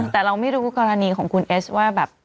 แต่เราไม่รู้กรณีของคุณเอสว่าแบบ